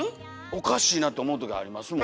おかしいなって思う時ありますもん。